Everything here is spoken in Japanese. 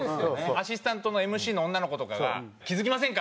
アシスタントのＭＣの女の子とかが「気付きませんか？」